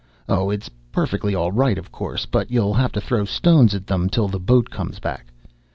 Oh, it's perfectly all right, of course, but ye'll have to throw stones at them till the boat comes back.